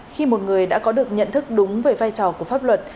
khi một người đã có được nhận thức đúng về vai trò của pháp luật